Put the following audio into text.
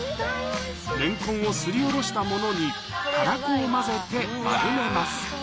レンコンをすりおろしたものにたらこを混ぜて丸めます